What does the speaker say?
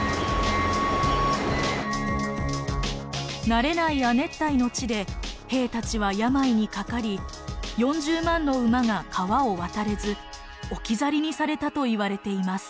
慣れない亜熱帯の地で兵たちは病にかかり４０万の馬が川を渡れず置き去りにされたといわれています。